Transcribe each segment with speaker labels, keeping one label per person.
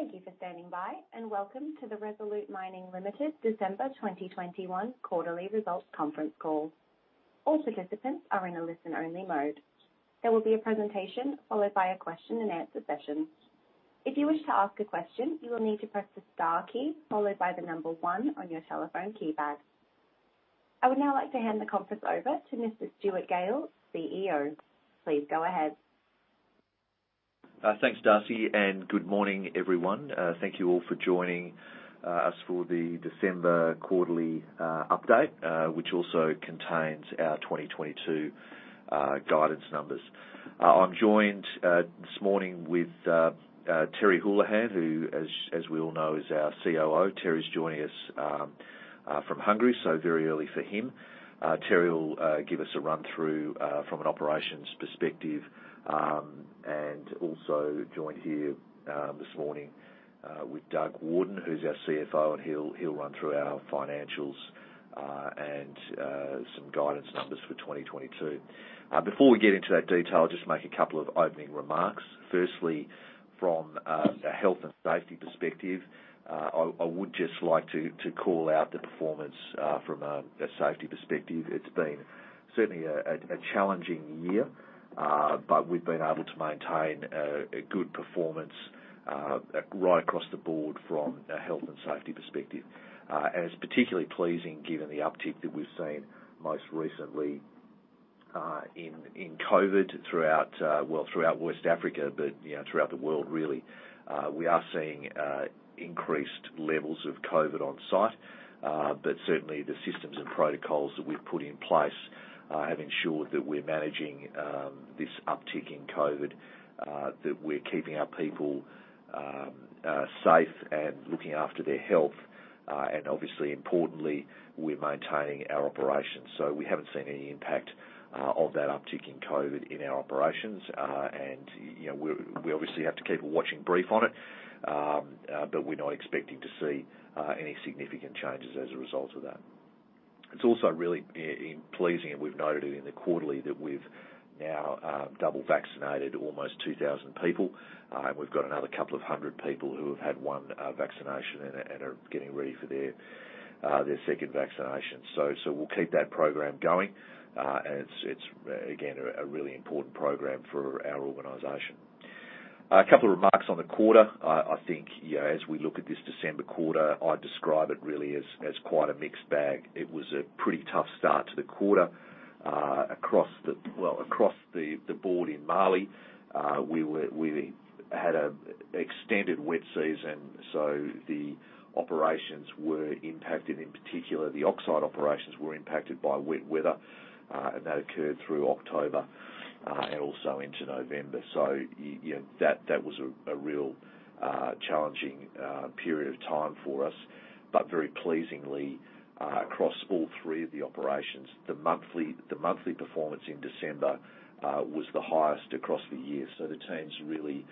Speaker 1: Thank you for standing by, and welcome to the Resolute Mining Limited December 2021 quarterly results conference call. All participants are in a listen-only mode. There will be a presentation followed by a question-and-answer session. If you wish to ask a question, you will need to press the star key followed by the number one on your telephone keypad. I would now like to hand the conference over to Mr. Stuart Gale, CEO. Please go ahead.
Speaker 2: Thanks, Darcy, and good morning, everyone. Thank you all for joining us for the December quarterly update, which also contains our 2022 guidance numbers. I'm joined this morning with Terry Holohan, who, as we all know, is our COO. Terry's joining us from Hungary, so very early for him. Terry will give us a run-through from an operations perspective. Also joined here this morning with Doug Warden, who's our CFO, and he'll run through our financials and some guidance numbers for 2022. Before we get into that detail, I'll just make a couple of opening remarks. Firstly, from a health and safety perspective, I would just like to call out the performance from a safety perspective. It's been certainly a challenging year, but we've been able to maintain a good performance right across the board from a health and safety perspective. It's particularly pleasing given the uptick that we've seen most recently in COVID throughout well, throughout West Africa, but you know, throughout the world really. We are seeing increased levels of COVID on site. Certainly the systems and protocols that we've put in place have ensured that we're managing this uptick in COVID that we're keeping our people safe and looking after their health. Obviously importantly, we're maintaining our operations. We haven't seen any impact of that uptick in COVID in our operations. You know, we obviously have to keep a watching brief on it. We're not expecting to see any significant changes as a result of that. It's also really pleasing, and we've noted it in the quarterly, that we've now double vaccinated almost 2,000 people. We've got another couple of hundred people who have had one vaccination and are getting ready for their second vaccination. We'll keep that program going. It's again a really important program for our organization. A couple of remarks on the quarter. I think, you know, as we look at this December quarter, I describe it really as quite a mixed bag. It was a pretty tough start to the quarter, well, across the board in Mali. We had a extended wet season, so the operations were impacted. In particular, the oxide operations were impacted by wet weather, and that occurred through October and also into November. You know, that was a real challenging period of time for us. Very pleasingly, across all three of the operations, the monthly performance in December was the highest across the year. The teams really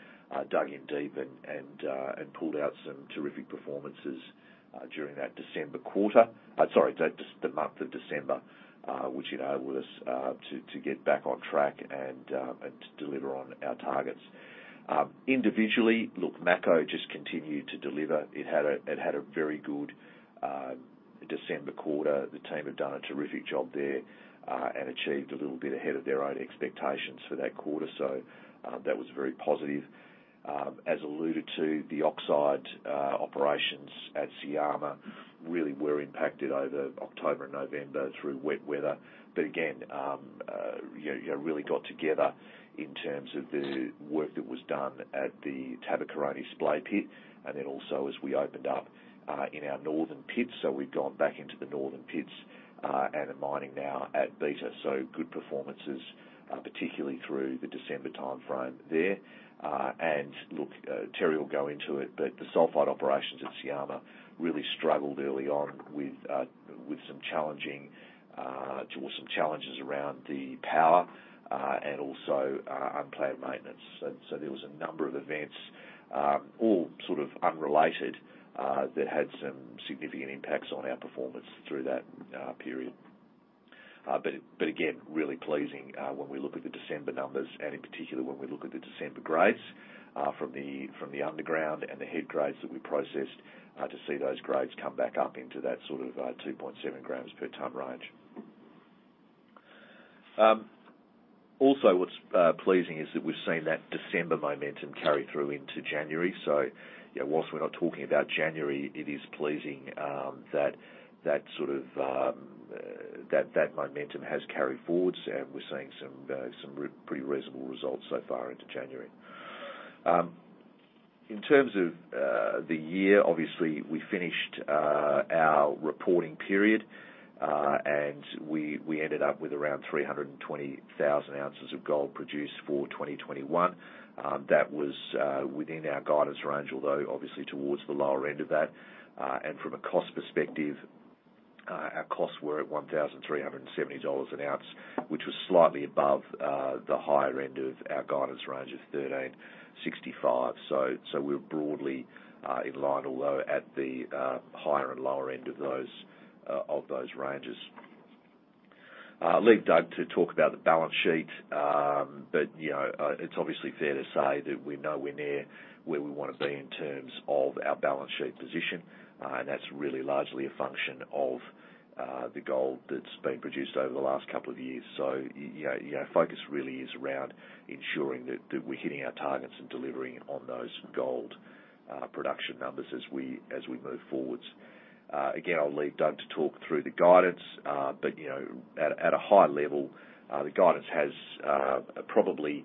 Speaker 2: dug in deep and pulled out some terrific performances during that December quarter. Sorry, that just the month of December, which enabled us to get back on track and to deliver on our targets. Individually, look, Mako just continued to deliver. It had a very good December quarter. The team have done a terrific job there, and achieved a little bit ahead of their own expectations for that quarter. That was very positive. As alluded to, the oxide operations at Syama really were impacted over October and November through wet weather. You know, really got together in terms of the work that was done at the Tabakoroni pit, and then also as we opened up in our northern pits. We've gone back into the northern pits and are mining now at Beta. Good performances, particularly through the December timeframe there. Terry will go into it, but the sulfide operations at Syama really struggled early on with some challenges around the power and also unplanned maintenance. There was a number of events, all sort of unrelated, that had some significant impacts on our performance through that period. But again, really pleasing when we look at the December numbers and in particular when we look at the December grades from the underground and the head grades that we processed to see those grades come back up into that sort of 2.7 grams per ton range. Also what's pleasing is that we've seen that December momentum carry through into January. You know, whilst we're not talking about January, it is pleasing that that sort of momentum has carried forward. We're seeing some pretty reasonable results so far into January. In terms of the year, obviously we finished our reporting period and we ended up with around 320,000 ounces of gold produced for 2021. That was within our guidance range, although obviously towards the lower end of that. And from a cost perspective, our costs were at $1,370 an ounce, which was slightly above the higher end of our guidance range of $1,365. So we're broadly in line, although at the higher and lower end of those ranges. I'll leave Doug to talk about the balance sheet. You know, it's obviously fair to say that we're nowhere near where we wanna be in terms of our balance sheet position. That's really largely a function of the gold that's been produced over the last couple of years. You know, focus really is around ensuring that we're hitting our targets and delivering on those gold production numbers as we move forwards. Again, I'll leave Doug to talk through the guidance. You know, at a high level, the guidance has probably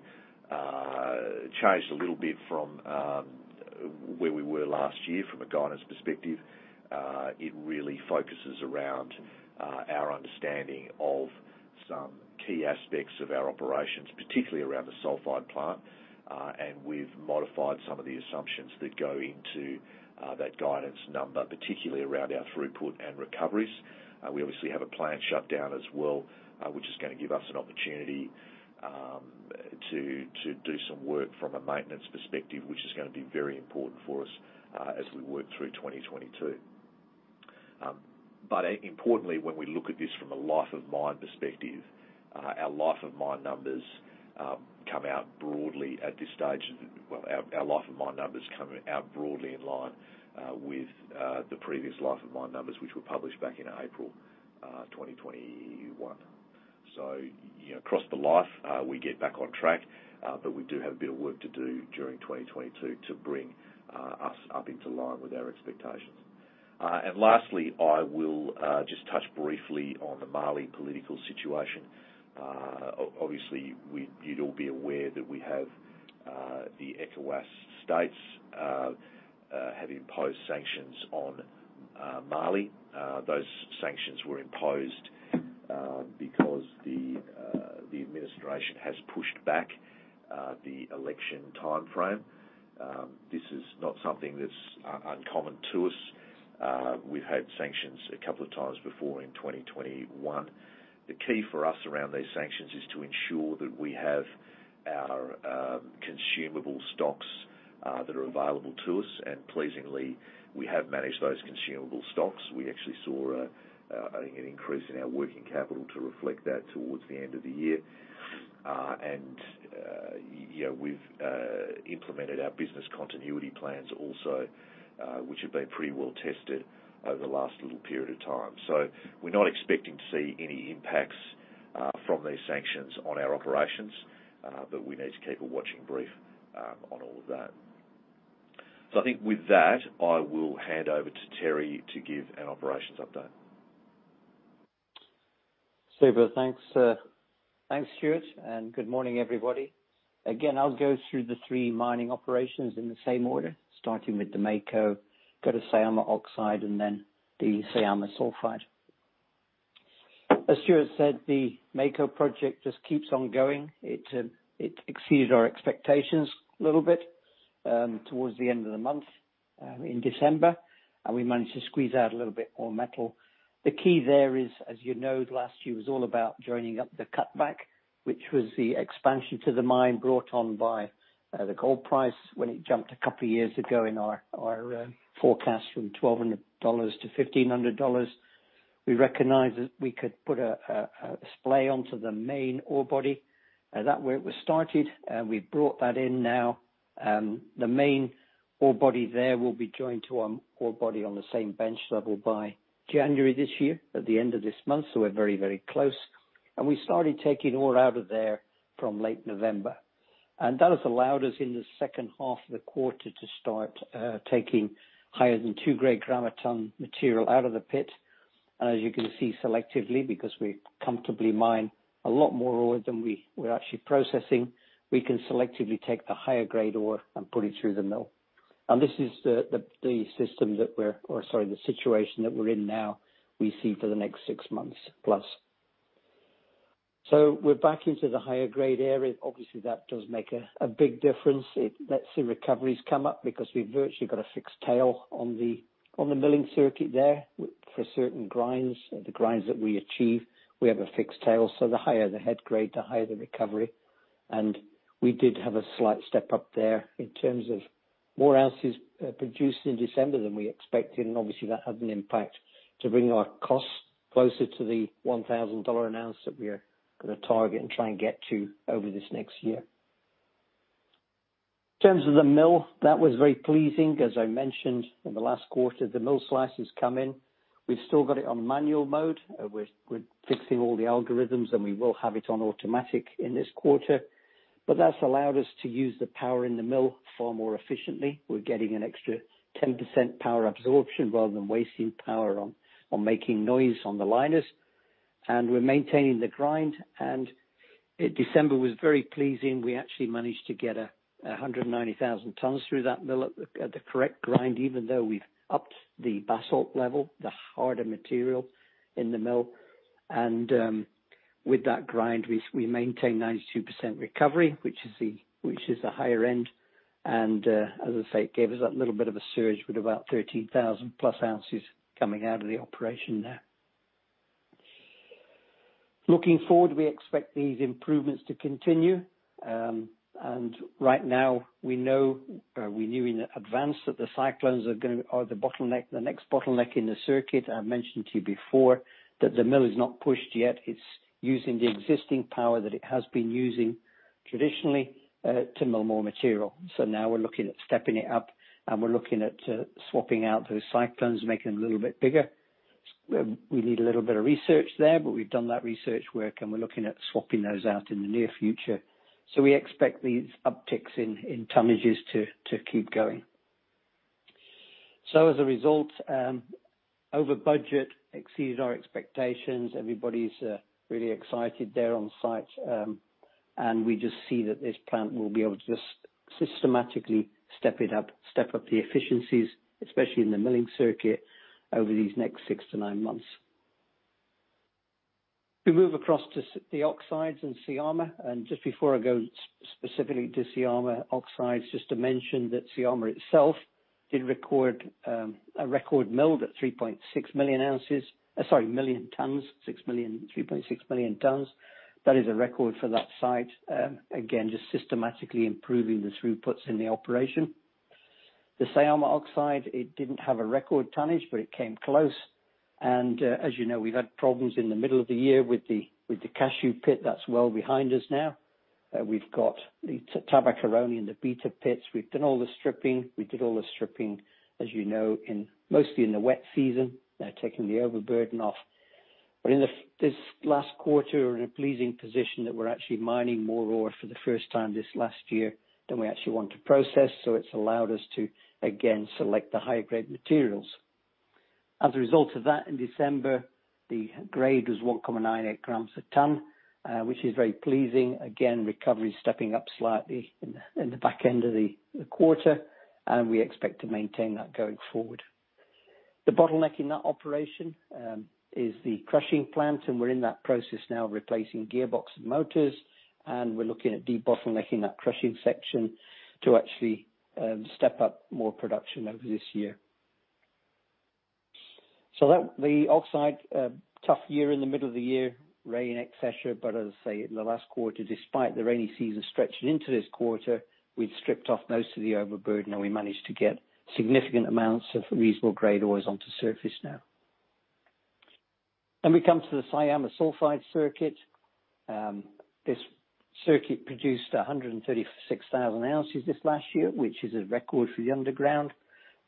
Speaker 2: changed a little bit from where we were last year from a guidance perspective. It really focuses around our understanding of some key aspects of our operations, particularly around the sulfide plant. We've modified some of the assumptions that go into that guidance number, particularly around our throughput and recoveries. We obviously have a plant shutdown as well, which is gonna give us an opportunity to do some work from a maintenance perspective, which is gonna be very important for us as we work through 2022. But importantly, when we look at this from a life of mine perspective, our life of mine numbers come out broadly in line with the previous life of mine numbers, which were published back in April 2021. You know, across the life, we get back on track, but we do have a bit of work to do during 2022 to bring us up into line with our expectations. Lastly, I will just touch briefly on the Mali political situation. Obviously, you'd all be aware that the ECOWAS states have imposed sanctions on Mali. Those sanctions were imposed because the administration has pushed back the election timeframe. This is not something that's uncommon to us. We've had sanctions a couple of times before in 2021. The key for us around these sanctions is to ensure that we have our consumable stocks that are available to us. Pleasingly, we have managed those consumable stocks. We actually saw an increase in our working capital to reflect that towards the end of the year. You know, we've implemented our business continuity plans also, which have been pretty well tested over the last little period of time. We're not expecting to see any impacts from these sanctions on our operations, but we need to keep a watching brief on all of that. I think with that, I will hand over to Terry to give an operations update.
Speaker 3: Super. Thanks, thanks, Stuart, and good morning, everybody. Again, I'll go through the three mining operations in the same order, starting with the Mako, go to Syama oxide, and then the Syama sulfide. As Stuart said, the Mako project just keeps on going. It exceeded our expectations a little bit towards the end of the month in December, and we managed to squeeze out a little bit more metal. The key there is, as you know, last year was all about joining up the cutback, which was the expansion to the mine brought on by the gold price when it jumped a couple of years ago in our forecast from $1,200-$1,500. We recognized that we could put a splay onto the main ore body. That work was started, and we've brought that in now. The main ore body there will be joined to our ore body on the same bench level by January this year, at the end of this month so we're very close. We started taking ore out of there from late November. That has allowed us in the H2 of the quarter to start taking higher than 2-gram-a-ton material out of the pit. As you can see, selectively, because we comfortably mine a lot more ore than we're actually processing, we can selectively take the higher-grade ore and put it through the mill. This is the situation that we're in now. We see for the next 6+ months. We're back into the higher-grade area. Obviously, that does make a big difference. It lets the recoveries come up because we've virtually got a fixed tail on the milling circuit there. For certain grinds, the grinds that we achieve, we have a fixed tail, so the higher the head grade, the higher the recovery. We did have a slight step up there in terms of more ounces produced in December than we expected, and obviously that had an impact to bring our costs closer to the $1,000 an ounce that we're gonna target and try and get to over this next year. In terms of the mill, that was very pleasing. As I mentioned in the last quarter, the MillSlicer has come in. We've still got it on manual mode. We're fixing all the algorithms, and we will have it on automatic in this quarter. That's allowed us to use the power in the mill far more efficiently. We're getting an extra 10% power absorption rather than wasting power on making noise on the liners. We're maintaining the grind. December was very pleasing. We actually managed to get 190,000 tons through that mill at the correct grind, even though we've upped the basalt level, the harder material in the mill. With that grind, we maintain 92% recovery, which is the higher end. As I say, it gave us that little bit of a surge with about 13,000+ ounces coming out of the operation there. Looking forward, we expect these improvements to continue. Right now, we know we knew in advance that the cyclones are the bottleneck, the next bottleneck in the circuit. I mentioned to you before that the mill is not pushed yet. It's using the existing power that it has been using traditionally to mill more material. Now we're looking at stepping it up, and we're looking at swapping out those cyclones, making them a little bit bigger. We need a little bit of research there, but we've done that research work, and we're looking at swapping those out in the near future. We expect these upticks in tonnages to keep going. As a result, output exceeded our expectations. Everybody's really excited there on-site. We just see that this plant will be able to just systematically step up the efficiencies, especially in the milling circuit, over these next six to nine months. We move across to the oxides in Syama, and just before I go specifically into Syama oxide, just to mention that Syama itself did record a record mill at 3.6 million tons. That is a record for that site. Again, just systematically improving the throughputs in the operation. The Syama oxide, it didn't have a record tonnage, but it came close. As you know, we've had problems in the middle of the year with the Cashew pit. That's well behind us now. We've got the Tabakoroni and the Beta pits. We've done all the stripping. We did all the stripping, as you know, mostly in the wet season, taking the overburden off. In this last quarter, we're in a pleasing position that we're actually mining more ore for the first time this last year than we actually want to process. It's allowed us to, again, select the higher grade materials. As a result of that, in December, the grade was 1.98 grams a ton, which is very pleasing. Again, recovery stepping up slightly in the back end of the quarter, and we expect to maintain that going forward. The bottleneck in that operation is the crushing plant, and we're in that process now of replacing gearbox and motors. We're looking at debottlenecking that crushing section to actually step up more production over this year. The oxide, a tough year in the middle of the year, rain, et cetera, but as I say, the last quarter, despite the rainy season stretching into this quarter, we'd stripped off most of the overburden, and we managed to get significant amounts of reasonable grade ores onto surface now. We come to the Syama sulfide circuit. This circuit produced 136,000 ounces this last year, which is a record for the underground.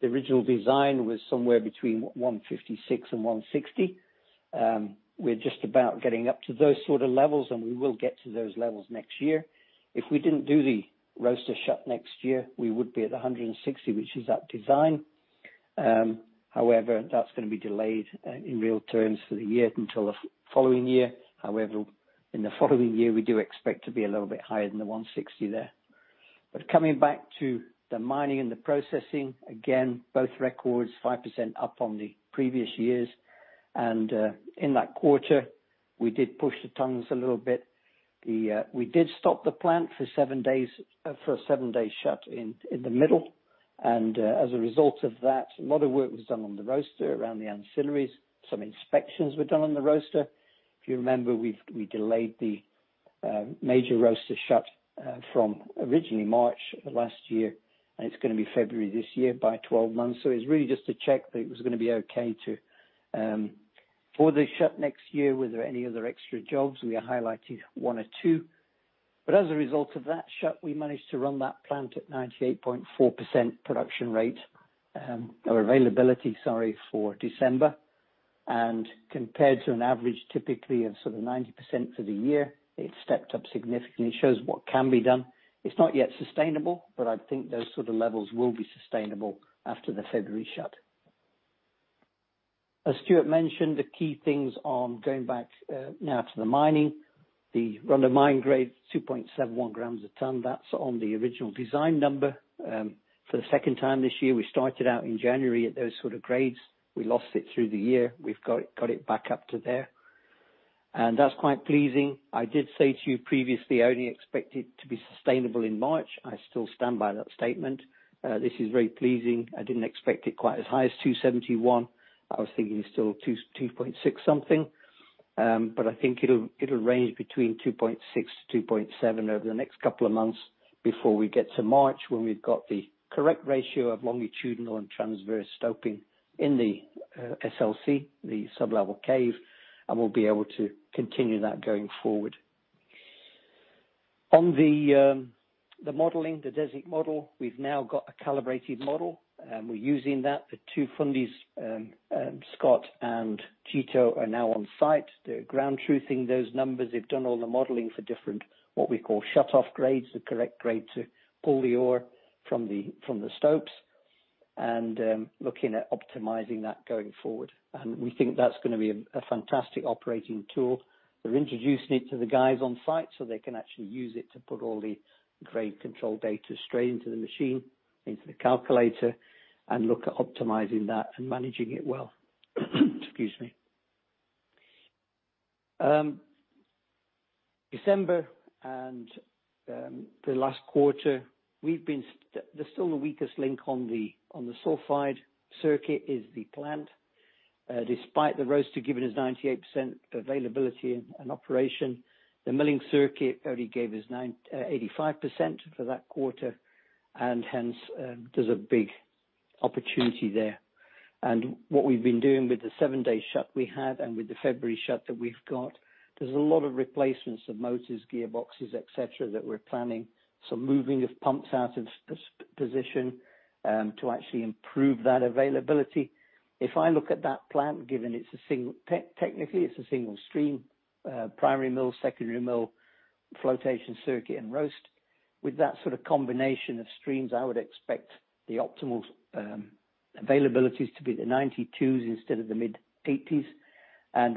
Speaker 3: The original design was somewhere between 156 and 160. We're just about getting up to those sort of levels, and we will get to those levels next year. If we didn't do the roaster shut next year, we would be at 160, which is at design. However, that's gonna be delayed in real terms for the year until the following year. However, in the following year, we do expect to be a little bit higher than the $160 there. Coming back to the mining and the processing, again, both records, 5% up on the previous years. In that quarter, we did push the tons a little bit. We did stop the plant for a seven-day shut in the middle and as a result of that, a lot of work was done on the roaster around the ancillaries. Some inspections were done on the roaster. If you remember, we delayed the major roaster shut from originally March of last year, and it's gonna be February this year by 12 months. So it's really just to check that it was gonna be okay for the shut next year. Were there any other extra jobs? We are highlighting one or two. As a result of that shut, we managed to run that plant at 98.4% production rate, or availability, sorry, for December. Compared to an average, typically of sort of 90% for the year, it stepped up significantly. Shows what can be done. It's not yet sustainable, but I think those sort of levels will be sustainable after the February shut. As Stuart mentioned, the key things on going back, now to the mining, the run-of-mine grade, 2.71 grams a ton. That's on the original design number, for the second time this year. We started out in January at those sort of grades. We lost it through the year. We've got it back up to there. That's quite pleasing. I did say to you previously, I only expect it to be sustainable in March. I still stand by that statement. This is very pleasing. I didn't expect it quite as high as 271. I was thinking still 2.6 something. But I think it'll range between 2.6-2.7 over the next couple of months before we get to March, when we've got the correct ratio of longitudinal and transverse stoping in the SLC, the sublevel cave, and we'll be able to continue that going forward. On the modeling, the Deswik model, we've now got a calibrated model, and we're using that. The two fundis, Scott and Tito, are now on site. They're ground truthing those numbers. They've done all the modeling for different, what we call shut-off grades, the correct grade to pull the ore from the stopes, and looking at optimizing that going forward. We think that's gonna be a fantastic operating tool. We're introducing it to the guys on site so they can actually use it to put all the grade control data straight into the machine, into the calculator, and look at optimizing that and managing it well. Excuse me. December and the last quarter, there's still the weakest link on the sulfide circuit is the plant. Despite the roaster giving us 98% availability and operation, the milling circuit only gave us 85% for that quarter, and hence, there's a big opportunity there. What we've been doing with the seven-day shut we had and with the February shut that we've got, there's a lot of replacements of motors, gearboxes, et cetera, that we're planning. Some moving of pumps out of s-position, to actually improve that availability. If I look at that plant, given it's a single, technically, it's a single stream, primary mill, secondary mill, flotation circuit, and roast. With that sort of combination of streams, I would expect the optimal availabilities to be the 92s instead of the mid-80s.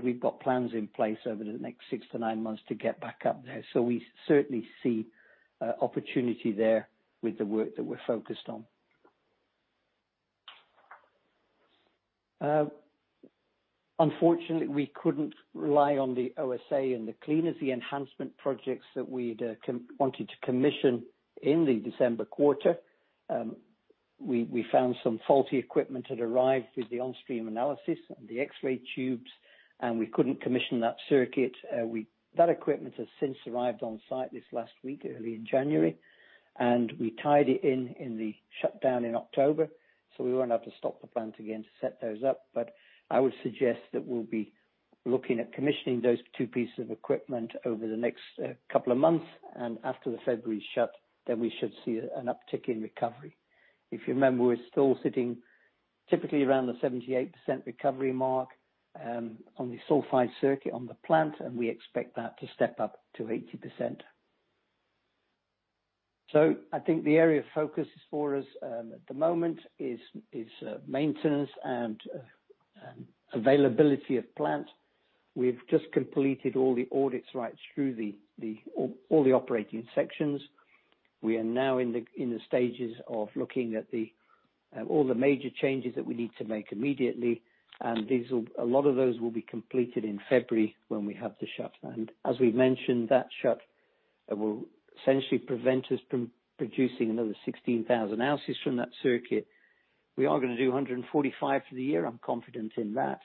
Speaker 3: We've got plans in place over the next six to nine months to get back up there. We certainly see opportunity there with the work that we're focused on. Unfortunately, we couldn't rely on the OSA and the cleaner circuit enhancement projects that we'd wanted to commission in the December quarter. We found some faulty equipment had arrived with the on-stream analysis and the X-ray tubes, and we couldn't commission that circuit. That equipment has since arrived on site this last week, early in January, and we tied it in in the shutdown in October, so we won't have to stop the plant again to set those up but I would suggest that we'll be looking at commissioning those two pieces of equipment over the next couple of months, and after the February shut, then we should see an uptick in recovery. If you remember, we're still sitting typically around the 78% recovery mark on the sulfide circuit on the plant, and we expect that to step up to 80%. I think the area of focus for us at the moment is maintenance and availability of plant. We've just completed all the audits right through all the operating sections. We are now in the stages of looking at all the major changes that we need to make immediately. A lot of those will be completed in February when we have the shut. As we've mentioned, that shut will essentially prevent us from producing another 16,000 ounces from that circuit. We are gonna do 145 for the year, I'm confident in that.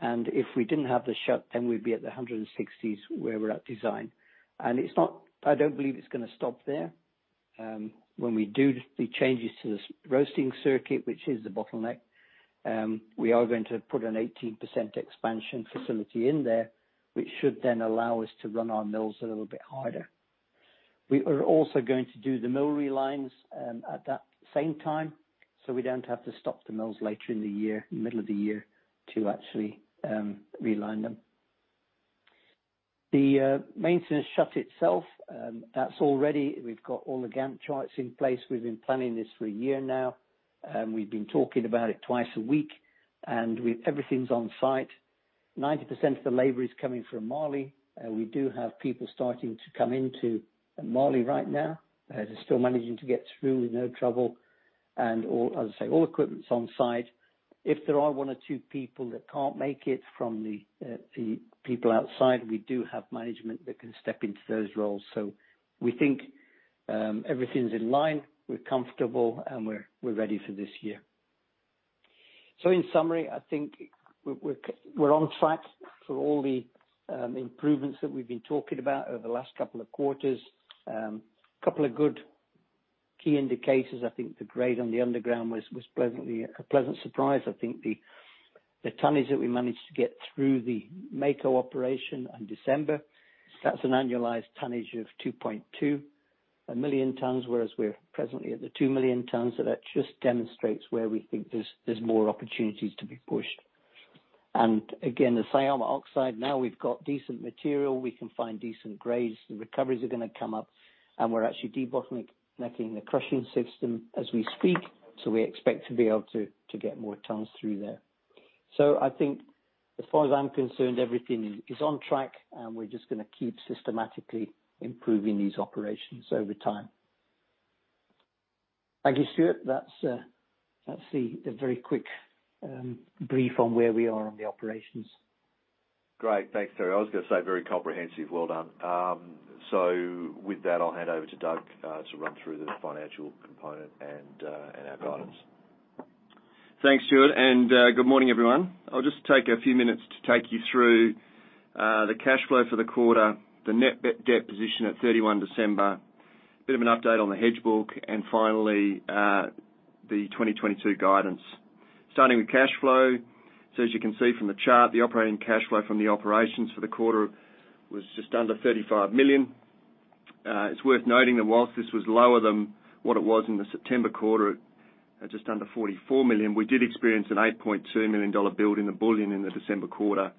Speaker 3: If we didn't have the shut, then we'd be at the 160s where we're at design. It's not. I don't believe it's gonna stop there. When we do the changes to the roasting circuit, which is the bottleneck, we are going to put an 18% expansion facility in there, which should then allow us to run our mills a little bit harder. We are also going to do the mill relines at that same time, so we don't have to stop the mills later in the year, middle of the year, to actually reline them. The maintenance shut itself, that's all ready. We've got all the Gantt charts in place. We've been planning this for a year now, and everything's on site. 90% of the labor is coming from Mali. We do have people starting to come into Mali right now. They're still managing to get through with no trouble. All, as I say, all equipment's on site. If there are one or two people that can't make it from the people outside, we do have management that can step into those roles. We think everything's in line, we're comfortable, and we're ready for this year. In summary, I think we're on track for all the improvements that we've been talking about over the last couple of quarters. Couple of good key indicators. I think the grade on the underground was pleasantly a pleasant surprise. I think the tonnage that we managed to get through the Mako operation in December, that's an annualized tonnage of 2.2 million tons, whereas we're presently at the 2 million tons. That just demonstrates where we think there's more opportunities to be pushed. Again, the Syama oxide, now we've got decent material, we can find decent grades, the recoveries are gonna come up, and we're actually debottlenecking the crushing system as we speak, so we expect to be able to get more tons through there. I think as far as I'm concerned, everything is on track, and we're just gonna keep systematically improving these operations over time. Thank you, Stuart. That's the very quick brief on where we are on the operations.
Speaker 2: Great. Thanks, Terry. I was gonna say very comprehensive. Well done. With that, I'll hand over to Doug, to run through the financial component and our guidance.
Speaker 4: Thanks, Stuart, and good morning, everyone. I'll just take a few minutes to take you through the cash flow for the quarter, the net debt position at 31st December, a bit of an update on the hedge book, and finally the 2022 guidance. Starting with cash flow. As you can see from the chart, the operating cash flow from the operations for the quarter was just under $35 million. It's worth noting that while this was lower than what it was in the September quarter at just under $44 million, we did experience an $8.2 million build in the bullion in the December quarter,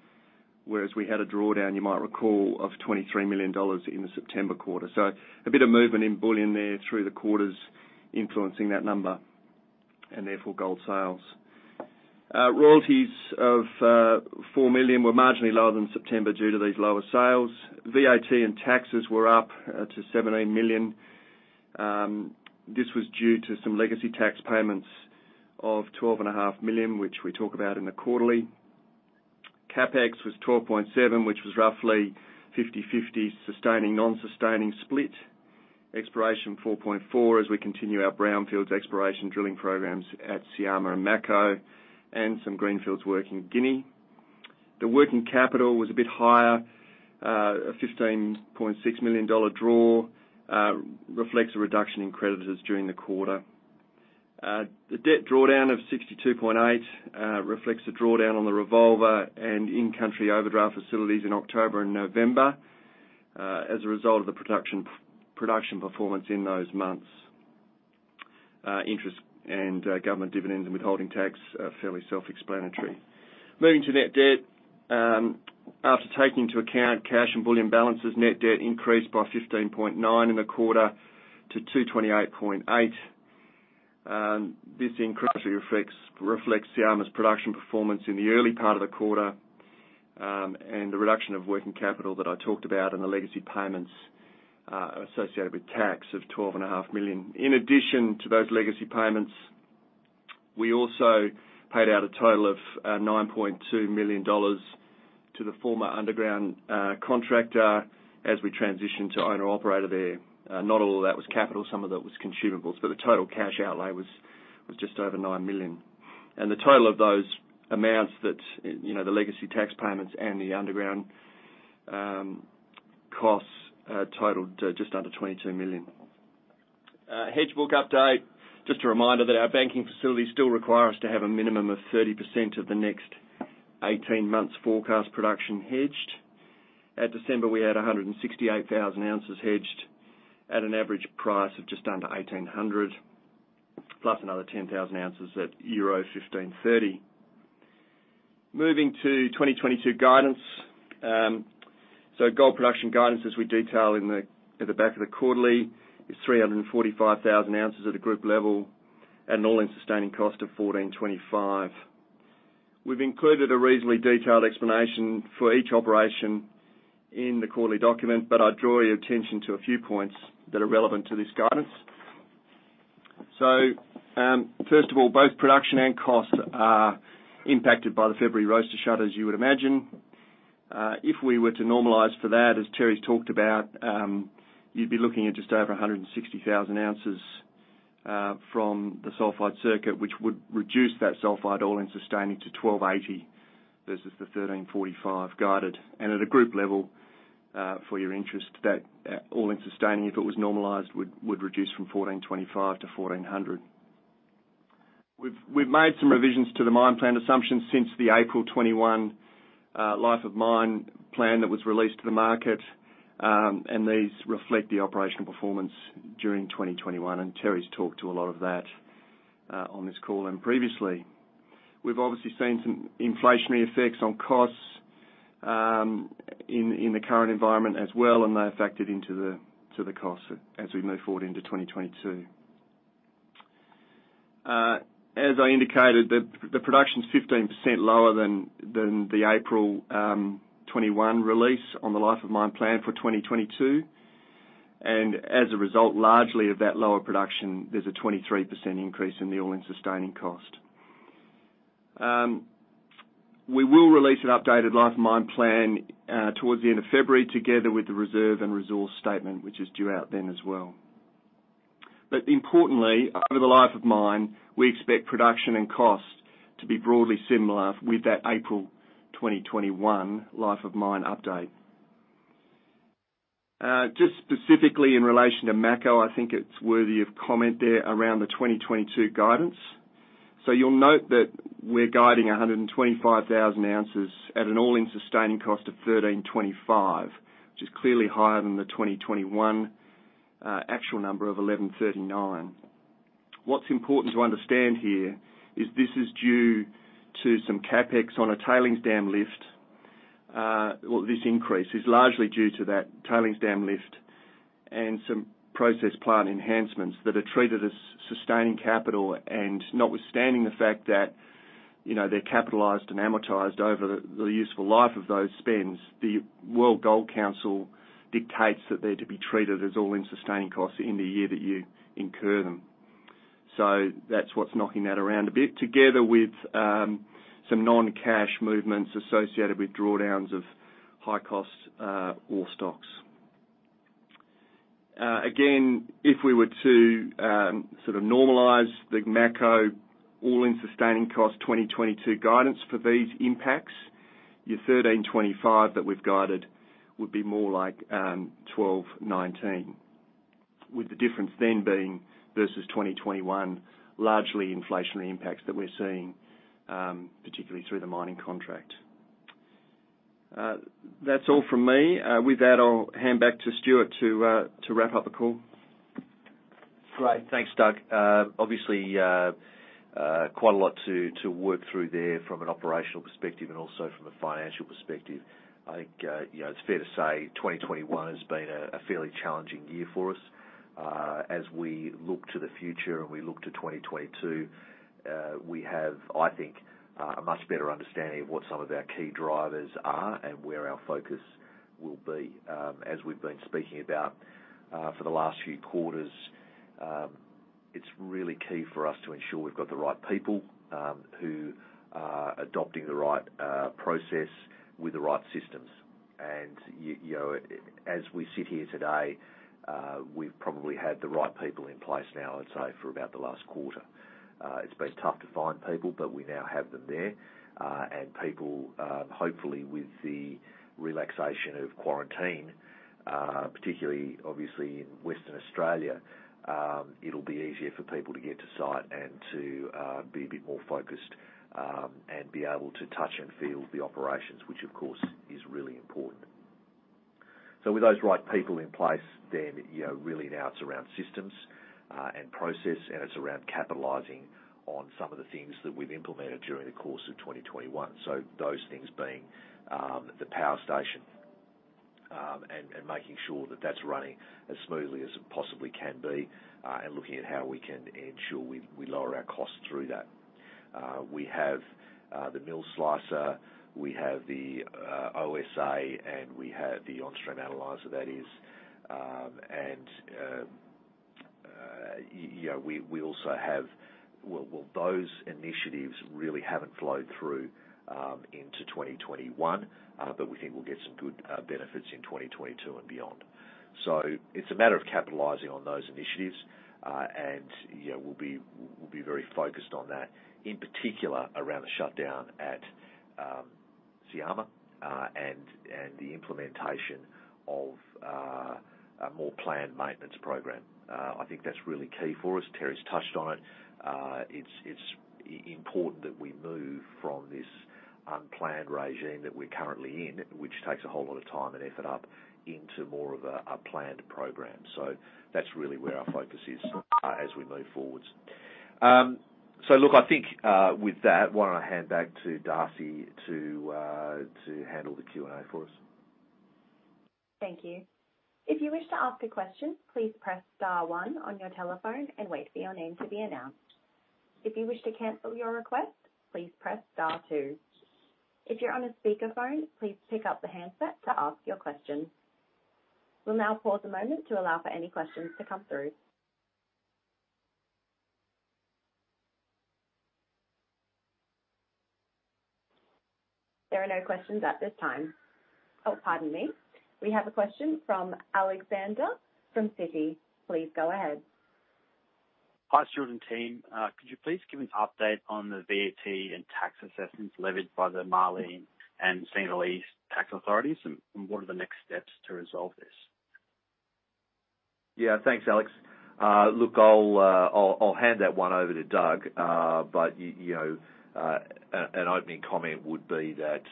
Speaker 4: whereas we had a drawdown, you might recall, of $23 million in the September quarter. A bit of movement in bullion there through the quarters influencing that number, and therefore, gold sales. Royalties of $4 million were marginally lower than September due to these lower sales. VAT and taxes were up to $17 million. This was due to some legacy tax payments of $12.5 million, which we talk about in the quarterly. CapEx was $12.7, which was roughly 50/50 sustaining, non-sustaining split. Exploration, $4.4, as we continue our brownfields exploration drilling programs at Syama and Mako and some greenfields work in Guinea. The working capital was a bit higher, a $15.6 million draw, reflects a reduction in creditors during the quarter. The debt drawdown of $62.8 million reflects the drawdown on the revolver and in-country overdraft facilities in October and November, as a result of the production performance in those months. Interest and government dividends and withholding tax are fairly self-explanatory. Moving to net debt, after taking into account cash and bullion balances, net debt increased by $15.9 million in the quarter to $228.8 million. This increase reflects Syama's production performance in the early part of the quarter, and the reduction of working capital that I talked about and the legacy payments associated with tax of $12.5 million. In addition to those legacy payments, we also paid out a total of $9.2 million to the former underground contractor as we transitioned to owner/operator there. Not all of that was capital, some of that was consumables, but the total cash outlay was just over $9 million. The total of those amounts that you know the legacy tax payments and the underground costs totaled just under $22 million. Hedge book update. Just a reminder that our banking facilities still require us to have a minimum of 30% of the next 18 months' forecast production hedged. At December, we had 168,000 ounces hedged at an average price of just under $1,800, plus another 10,000 ounces at euro 1,530. Moving to 2022 guidance. Gold production guidance, as we detail in the quarterly at the back of the quarterly, is 345,000 ounces at a group level at an all-in sustaining cost of $1,425. We've included a reasonably detailed explanation for each operation in the quarterly document, but I draw your attention to a few points that are relevant to this guidance. First of all, both production and cost are impacted by the February roaster shut, as you would imagine. If we were to normalize for that, as Terry's talked about, you'd be looking at just over 160,000 ounces from the sulfide circuit, which would reduce that sulfide all-in sustaining to $1,280 versus the $1,345 guided. At a group level, for your interest, that all-in sustaining, if it was normalized, would reduce from $1,425 to $1,400. We've made some revisions to the mine plan assumptions since the April 2021 life of mine plan that was released to the market, and these reflect the operational performance during 2021, and Terry's talked to a lot of that on this call and previously. We've obviously seen some inflationary effects on costs in the current environment as well, and they're factored into the cost as we move forward into 2022. As I indicated, the production's 15% lower than the April 2021 release on the life of mine plan for 2022. As a result, largely of that lower production, there's a 23% increase in the all-in sustaining cost. We will release an updated life of mine plan towards the end of February, together with the reserve and resource statement, which is due out then as well. Importantly, over the life of mine, we expect production and cost to be broadly similar with that April 2021 life of mine update. Just specifically in relation to Mako, I think it's worthy of comment there around the 2022 guidance. You'll note that we're guiding 125,000 ounces at an all-in sustaining cost of $1,325, which is clearly higher than the 2021 actual number of $1,139. What's important to understand here is this is due to some CapEx on a tailings dam lift. Well, this increase is largely due to that tailings dam lift and some process plant enhancements that are treated as sustaining capital. Notwithstanding the fact that, you know, they're capitalized and amortized over the useful life of those spends, the World Gold Council dictates that they're to be treated as all-in sustaining costs in the year that you incur them. That's what's knocking that around a bit, together with some non-cash movements associated with drawdowns of high-cost ore stocks. Again, if we were to sort of normalize the Mako all-in sustaining cost 2022 guidance for these impacts, your $1,325 that we've guided would be more like $1,219, with the difference then being versus 2021, largely inflationary impacts that we're seeing, particularly through the mining contract. That's all from me. With that, I'll hand back to Stuart to wrap up the call.
Speaker 2: Great. Thanks, Doug. Obviously, quite a lot to work through there from an operational perspective and also from a financial perspective. I think, you know, it's fair to say 2021 has been a fairly challenging year for us. As we look to the future and we look to 2022, we have, I think, a much better understanding of what some of our key drivers are and where our focus will be. As we've been speaking about for the last few quarters, it's really key for us to ensure we've got the right people who are adopting the right process with the right systems. You know, as we sit here today, we've probably had the right people in place now, I'd say, for about the last quarter. It's been tough to find people, but we now have them there. People, hopefully with the relaxation of quarantine, particularly obviously in Western Australia, it'll be easier for people to get to site and to be a bit more focused, and be able to touch and feel the operations, which of course is really important. With those right people in place, then, you know, really now it's around systems and process, and it's around capitalizing on some of the things that we've implemented during the course of 2021. Those things being, the power station, and making sure that that's running as smoothly as it possibly can be, and looking at how we can ensure we lower our costs through that. We have the MillSlicer. We have the OSA, and we have the on-stream analyzer. You know, we also have. Well, those initiatives really haven't flowed through into 2021, but we think we'll get some good benefits in 2022 and beyond. It's a matter of capitalizing on those initiatives. You know, we'll be very focused on that, in particular around the shutdown at Syama, and the implementation of a more planned maintenance program. I think that's really key for us. Terry's touched on it. It's important that we move from this unplanned regime that we're currently in, which takes a whole lot of time and effort into more of a planned program. That's really where our focus is, as we move forward. Look, I think, with that, why don't I hand back to Darcy to handle the Q&A for us.
Speaker 1: Thank you. We'll now pause a moment to allow for any questions to come through. There are no questions at this time. Oh, pardon me. We have a question from Alexander from Citi. Please go ahead.
Speaker 5: Hi, Stuart and team. Could you please give an update on the VAT and tax assessments levied by the Mali and Senegalese tax authorities, and what are the next steps to resolve this?
Speaker 2: Yeah. Thanks, Alex. Look, I'll hand that one over to Doug. But you know, an opening comment would be that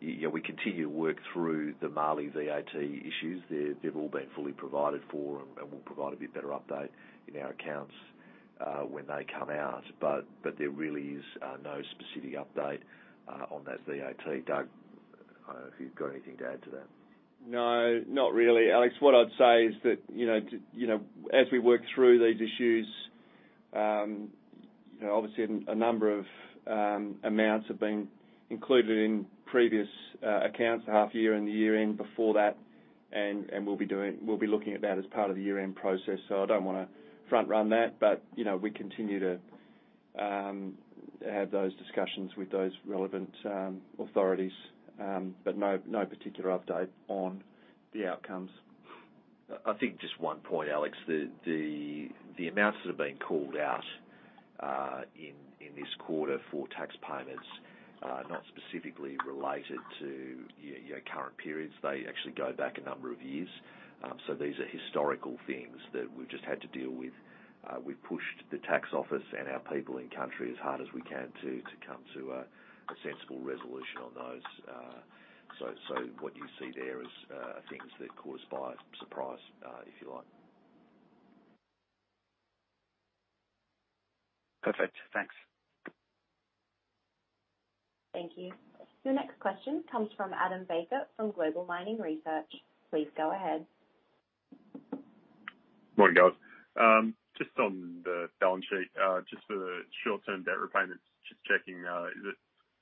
Speaker 2: you know, we continue to work through the Mali VAT issues. They've all been fully provided for, and we'll provide a bit better update in our accounts when they come out. There really is no specific update on that VAT. Doug, I don't know if you've got anything to add to that.
Speaker 4: No, not really, Alex. What I'd say is that, you know, as we work through these issues, you know, obviously a number of amounts have been included in previous accounts, the half-year and the year-end before that, and we'll be looking at that as part of the year-end process. I don't wanna front-run that. You know, we continue to have those discussions with those relevant authorities, but no particular update on the outcomes.
Speaker 2: I think just one point, Alex. The amounts that have been called out in this quarter for tax payments are not specifically related to your current periods. They actually go back a number of years. These are historical things that we've just had to deal with. We've pushed the tax office and our people in country as hard as we can to come to a sensible resolution on those. What you see there is things that caught us by surprise, if you like.
Speaker 5: Perfect. Thanks.
Speaker 1: Thank you. Your next question comes from Adam Baker from Global Mining Research. Please go ahead.
Speaker 6: Morning, guys. Just on the balance sheet, just for the short-term debt repayments, just checking, is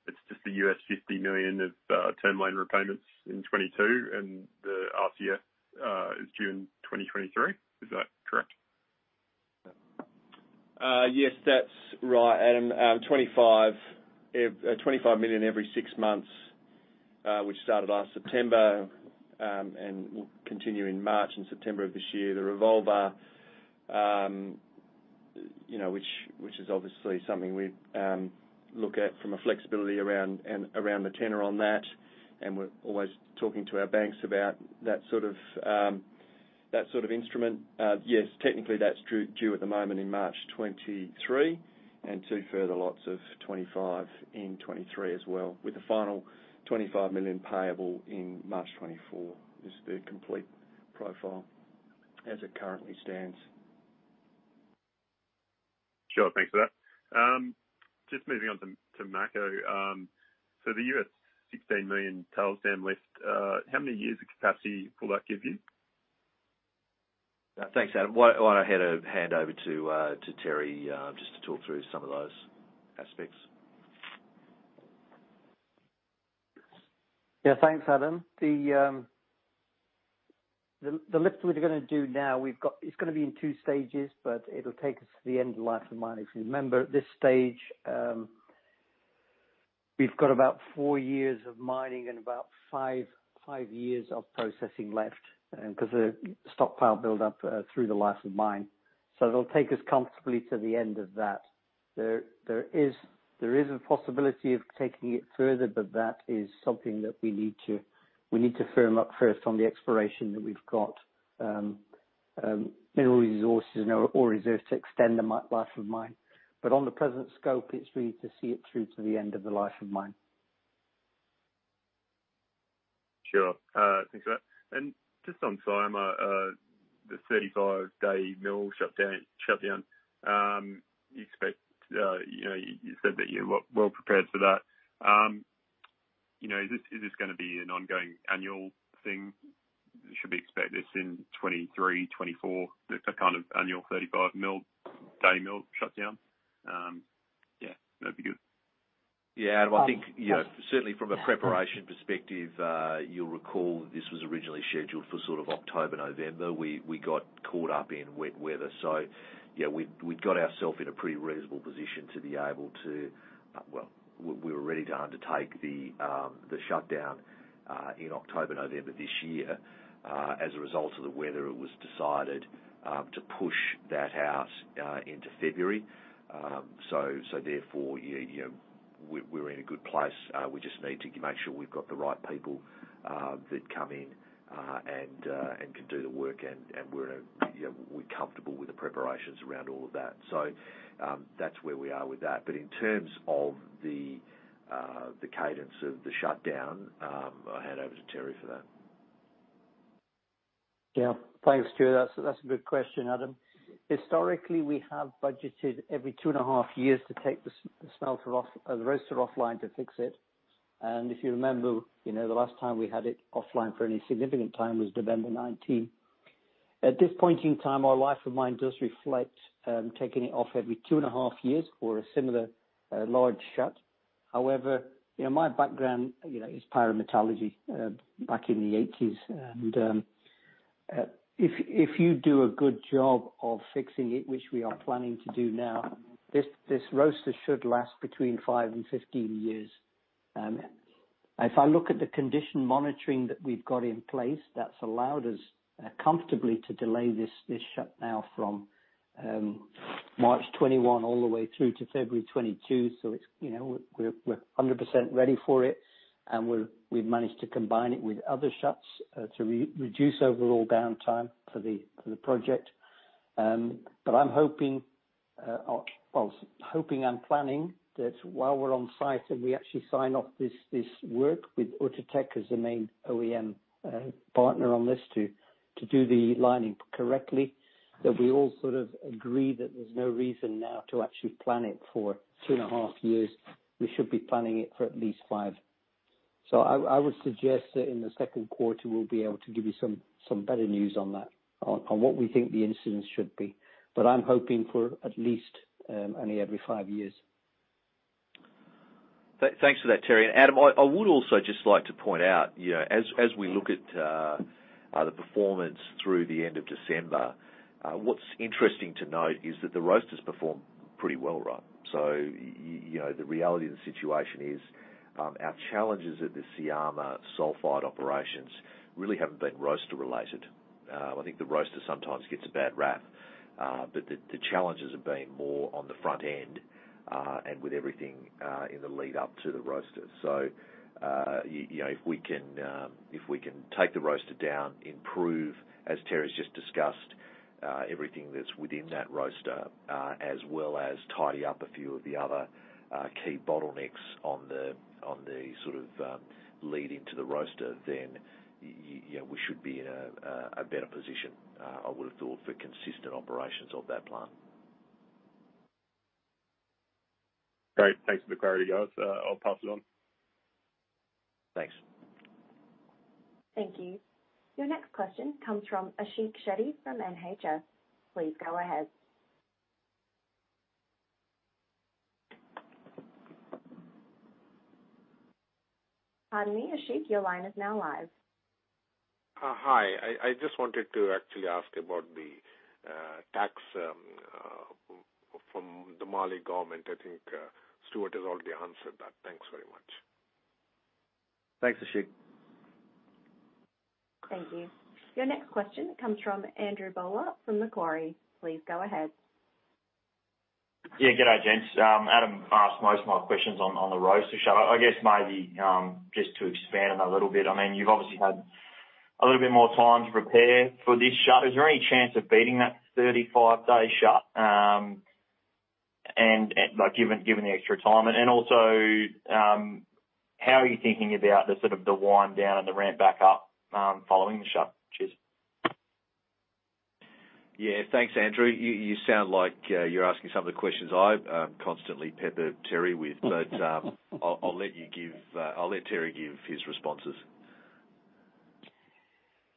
Speaker 6: it's just the $50 million of term loan repayments in 2022, and the RCF is June 2023? Is that correct?
Speaker 4: Yes, that's right, Adam. $25 million every six months, which started last September, and will continue in March and September of this year. The revolver, you know, which is obviously something we look at from a flexibility around the tenor on that, and we're always talking to our banks about that sort of instrument. Yes, technically that's due at the moment in March 2023, and two further lots of $25 million in 2023 as well, with the final $25 million payable in March 2024 is the complete profile as it currently stands.
Speaker 6: Sure. Thanks for that. Just moving on to Mako. So the $16 million tails dam lift, how many years of capacity will that give you?
Speaker 2: Thanks, Adam. Why don't I hand over to Terry just to talk through some of those aspects.
Speaker 3: Yeah. Thanks, Adam. The lift we're gonna do now. It's gonna be in two stages, but it'll take us to the end of the life of mine. Remember, at this stage, we've got about four years of mining and about five years of processing left, 'cause of stockpile build-up through the life of mine. It'll take us comfortably to the end of that. There is a possibility of taking it further, but that is something that we need to firm up first on the exploration that we've got, mineral resources and ore reserve to extend the mine life of mine. On the present scope, it's really to see it through to the end of the life of mine.
Speaker 6: Sure. Thanks for that. Just on Syama, the 35-day mill shutdown. You expect, you said that you're well prepared for that. Is this gonna be an ongoing annual thing? Should we expect this in 2023, 2024? The kind of annual 35-day mill shutdown? Yeah, that'd be good.
Speaker 2: Yeah. Well, I think, you know, certainly from a preparation perspective, you'll recall this was originally scheduled for sort of October, November. We got caught up in wet weather. We'd got ourselves in a pretty reasonable position to be able to, well, we were ready to undertake the shutdown in October, November this year. As a result of the weather, it was decided to push that out into February. Therefore, yeah, you know, we're in a good place. We just need to make sure we've got the right people that come in and can do the work. We're comfortable with the preparations around all of that. That's where we are with that. In terms of the cadence of the shutdown, I'll hand over to Terry for that.
Speaker 3: Yeah. Thanks, Stuart. That's a good question, Adam. Historically, we have budgeted every 2.5 years to take the smelter off, the roaster offline to fix it. If you remember, you know, the last time we had it offline for any significant time was November 2019. At this point in time, our life of mine does reflect taking it off every 2.5 years for a similar large shut. However, you know, my background, you know, is pyrometallurgy back in the 1980s. If you do a good job of fixing it, which we are planning to do now, this roaster should last between five and 15 years. If I look at the condition monitoring that we've got in place, that's allowed us comfortably to delay this shut now from March 2021 all the way through to February 2022. It's, you know, we're 100% ready for it. We've managed to combine it with other shuts to reduce overall downtime for the project. I'm hoping and planning that while we're on site and we actually sign off this work with Outotec as the main OEM partner on this to do the lining correctly, that we all sort of agree that there's no reason now to actually plan it for two and a half years. We should be planning it for at least five. I would suggest that in the Q2 we'll be able to give you some better news on that, on what we think the incidents should be. I'm hoping for at least only every five years.
Speaker 2: Thanks for that, Terry. Adam, I would also just like to point out, you know, as we look at the performance through the end of December, what's interesting to note is that the roaster's performed pretty well, right. You know, the reality of the situation is, our challenges at the Syama sulfide operations really haven't been roaster related. I think the roaster sometimes gets a bad rap. But the challenges have been more on the front end, and with everything in the lead up to the roaster. You know, if we can take the roaster down, improve, as Terry's just discussed, everything that's within that roaster, as well as tidy up a few of the other key bottlenecks on the sort of lead into the roaster, then you know, we should be in a better position, I would have thought, for consistent operations of that plant.
Speaker 6: Great. Thanks for the clarity, guys. I'll pass it on.
Speaker 2: Thanks.
Speaker 1: Thank you. Your next question comes from Ashik Shetty from Nedbank. Please go ahead. Pardon me, Ashik, your line is now live.
Speaker 7: Hi. I just wanted to actually ask about the tax from the Mali government. I think Stuart has already answered that. Thanks very much.
Speaker 2: Thanks, Ashik.
Speaker 1: Thank you. Your next question comes from Andrew Bowler from Macquarie. Please go ahead.
Speaker 8: Yeah. Good day, gents. Adam asked most of my questions on the roaster shut. I guess maybe just to expand on that a little bit. I mean, you've obviously had a little bit more time to prepare for this shut. Is there any chance of beating that 35-day shut? And like, given the extra time, how are you thinking about sort of the wind down and the ramp back up following the shut? Cheers.
Speaker 2: Yeah. Thanks, Andrew. You sound like you're asking some of the questions I constantly pepper Terry with. I'll let Terry give his responses.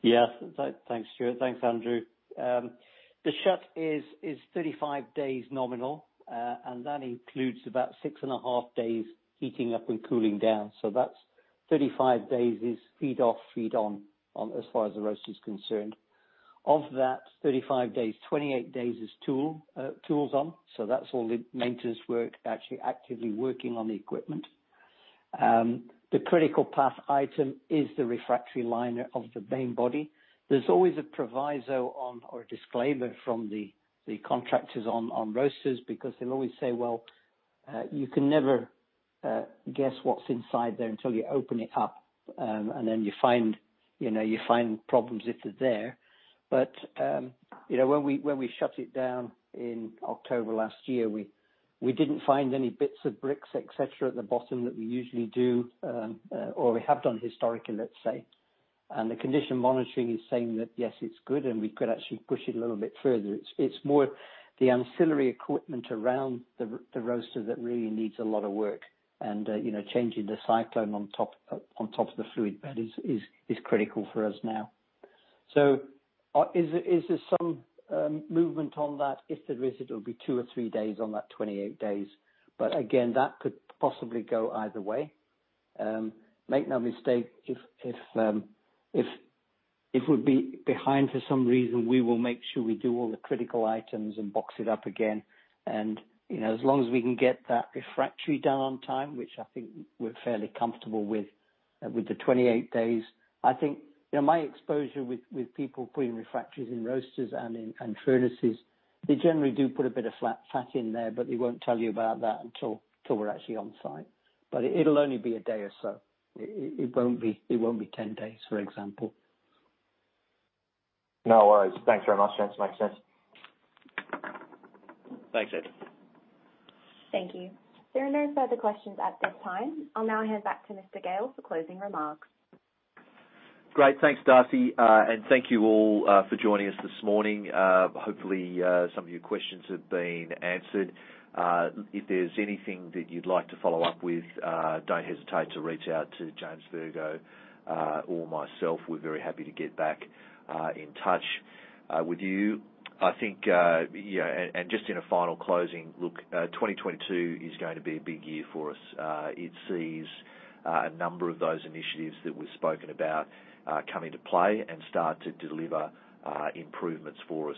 Speaker 3: Thanks, Stuart. Thanks, Andrew. The shutdown is 35 days nominal and that includes about 6.5 days heating up and cooling down so that 35 days is feed off, feed on, as far as the roaster is concerned. Of that 35 days, 28 days is tools on so that's all the maintenance work, actually actively working on the equipment. The critical path item is the refractory lining of the main body. There's always a proviso on or a disclaimer from the contractors on roasters because they'll always say, "Well, you can never guess what's inside there until you open it up." And then you find, you know, problems if they're there. You know, when we shut it down in October last year, we didn't find any bits of bricks, et cetera at the bottom that we usually do, or we have done historically, let's say. The condition monitoring is saying that, yes, it's good and we could actually push it a little bit further. It's more the ancillary equipment around the roaster that really needs a lot of work. You know, changing the cyclone on top of the fluid bed is critical for us now. Is there some movement on that? If there is, it'll be two or three days on that 28 days. Again, that could possibly go either way. Make no mistake if we'll be behind for some reason, we will make sure we do all the critical items and box it up again. You know, as long as we can get that refractory done on time, which I think we're fairly comfortable with the 28 days. I think. You know, my exposure with people putting refractories in roasters and furnaces, they generally do put a bit of fat in there, but they won't tell you about that until we're actually on site. It'll only be a day or so. It won't be 10 days, for example.
Speaker 8: No worries. Thanks very much, guys. Makes sense.
Speaker 2: Thanks, Andrew.
Speaker 1: Thank you. There are no further questions at this time. I'll now hand back to Mr. Gale for closing remarks.
Speaker 2: Great. Thanks, Darcy. Thank you all for joining us this morning. Hopefully, some of your questions have been answered. If there's anything that you'd like to follow up with, don't hesitate to reach out to James Virgo or myself. We're very happy to get back in touch with you. I think, you know, and just in a final closing, look, 2022 is going to be a big year for us. It sees a number of those initiatives that we've spoken about come into play and start to deliver improvements for us.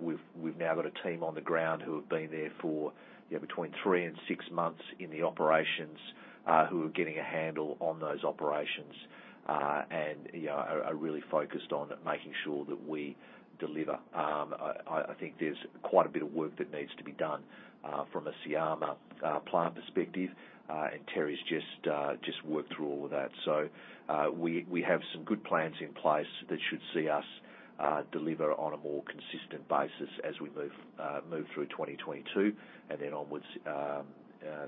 Speaker 2: We've now got a team on the ground who have been there for, you know, between three and six months in the operations who are getting a handle on those operations. You know, we are really focused on making sure that we deliver. I think there's quite a bit of work that needs to be done from a Syama plant perspective. Terry's just worked through all of that. We have some good plans in place that should see us deliver on a more consistent basis as we move through 2022 and then onwards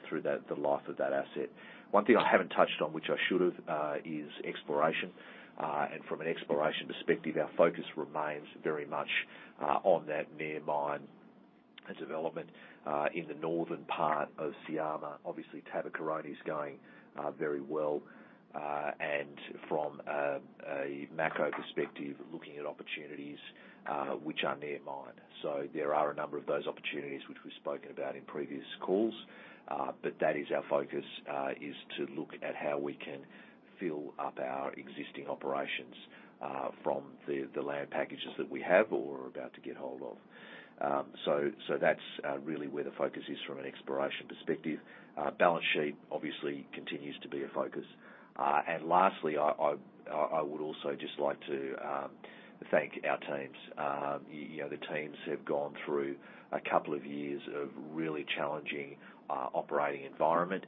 Speaker 2: through the life of that asset. One thing I haven't touched on, which I should have, is exploration. From an exploration perspective, our focus remains very much on that near-mine development in the northern part of Syama. Obviously, Tabakoroni is going very well and from a macro perspective, looking at opportunities which are near-mine. There are a number of those opportunities which we've spoken about in previous calls. That is our focus is to look at how we can fill up our existing operations from the land packages that we have or are about to get hold of. That's really where the focus is from an exploration perspective. Balance sheet obviously continues to be a focus. Lastly, I would also just like to thank our teams. You know, the teams have gone through a couple of years of really challenging operating environment.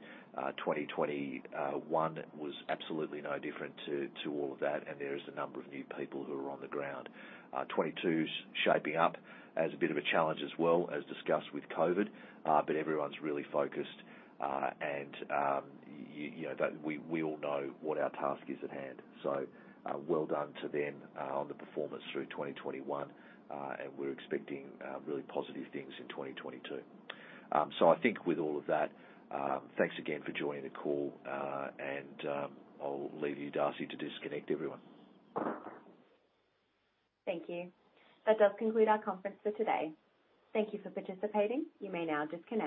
Speaker 2: 2021 was absolutely no different to all of that, and there is a number of new people who are on the ground. 2022's shaping up as a bit of a challenge as well as discussed with COVID but everyone's really focused. You know, we all know what our task is at hand. Well done to them on the performance through 2021. We're expecting really positive things in 2022. I think with all of that, thanks again for joining the call. I'll leave you, Darcy, to disconnect everyone.
Speaker 1: Thank you. That does conclude our conference for today. Thank you for participating. You may now disconnect.